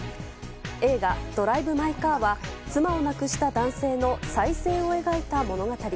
映画「ドライブ・マイ・カー」は妻を亡くした男性の再生を描いた物語。